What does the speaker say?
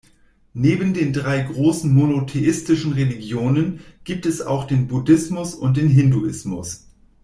Neben den drei großen monotheistischen Religionen gibt es auch den Buddhismus und den Hinduismus.